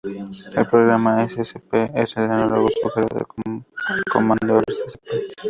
El programa scp es el análogo seguro del comando rcp.